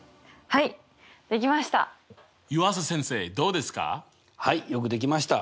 はいよくできました。